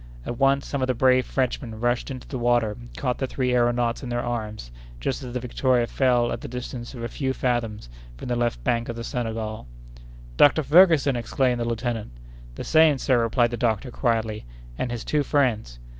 At once some of the brave Frenchmen rushed into the water and caught the three aëronauts in their arms just as the Victoria fell at the distance of a few fathoms from the left bank of the Senegal. "Dr. Ferguson!" exclaimed the lieutenant. "The same, sir," replied the doctor, quietly, "and his two friends."